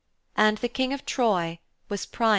And the King of Troy was Priam.